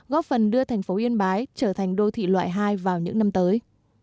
góp phần đưa thành phố yên bái trở thành đô thị loại hai vào những năm tới